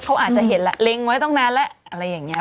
เขาอาจจะเห็นแหละเล็งไว้ตรงนั้นแหละอะไรอย่างเงี้ย